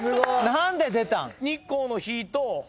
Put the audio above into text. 何で出たん？